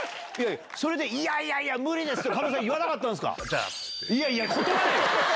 それで「いやいや無理です」って言わなかったんですか？